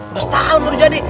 udah setahun baru jadi